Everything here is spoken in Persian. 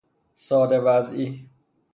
ساده وضعی